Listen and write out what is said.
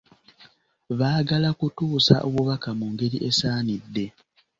Baagala kutuusa obubaka mu ngeri esaanidde.